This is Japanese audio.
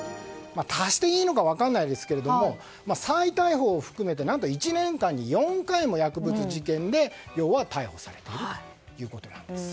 足していいのか分かりませんが再逮捕を含めて何と１年間に４回も薬物事件で逮捕されているということです。